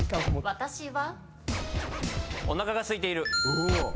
私は。